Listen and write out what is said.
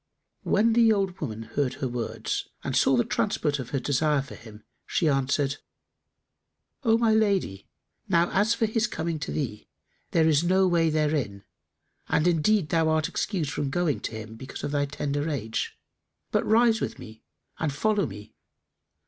When the old woman heard her words and saw the transport of her desire for him, she answered, "O my lady, now as for his coming to thee, there is no way thereto; and indeed thou art excused from going to him, because of thy tender age; but rise with me and follow me.